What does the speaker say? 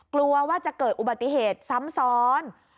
กลัวว่าจะเกิดอุบัติเหตุซ้ำซ้อน